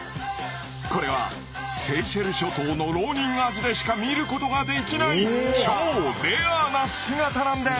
これはセーシェル諸島のロウニンアジでしか見ることができない超レアな姿なんです。